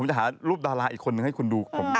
ผมจะหารูปดาราอีกคนนึงให้คุณดูผม